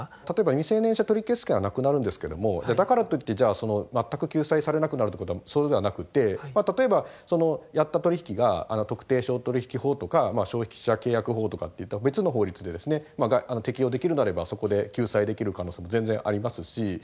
例えば未成年者取消権はなくなるんですけどもだからといって全く救済されなくなるってことはそうではなくてまあ例えばそのやった取り引きが特定商取引法とか消費者契約法とかっていった別の法律で適用できるんであればそこで救済できる可能性も全然ありますし。